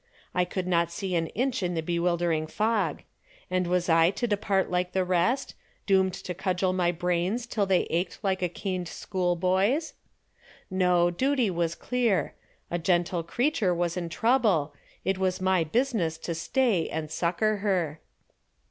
I could not see an inch in the bewildering fog. And was I to depart like the rest, doomed to cudgel my brains till they ached like caned schoolboys? No, my duty was clear. A gentle creature was in trouble it was my business to stay and succor her.